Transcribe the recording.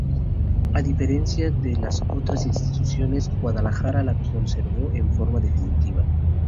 A diferencia de las otras instituciones, Guadalajara la conservó en forma definitiva.